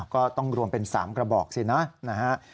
ก็ต้องรวมเป็น๓กระบอกสินะนะฮะ